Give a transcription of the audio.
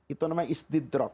itu namanya istidrak